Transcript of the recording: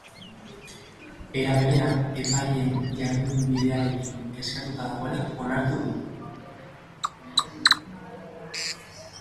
Era berean, epaileen jardunbidearekin kezkatuta dagoela onartu du.